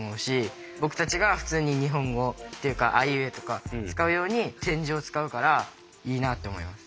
僕たちが普通に日本語っていうか「あいうえお」とか使うように点字を使うからいいなって思います。